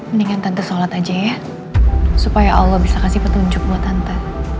mendingan tante sholat aja ya supaya allah bisa kasih petunjuk buat tante